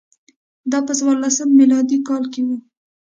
دا په څوارلس میلادي کال کې و